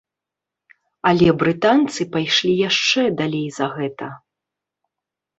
Але брытанцы пайшлі яшчэ далей за гэта.